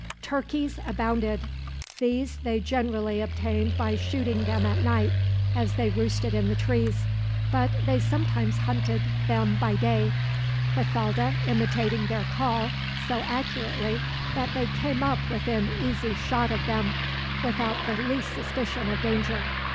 Turkeys abounded. These they generally obtained by shooting them at night, as they roosted in the trees; but they sometimes hunted them by day, Bathalda imitating their call so accurately that they came up within easy shot of them, without the least suspicion of danger.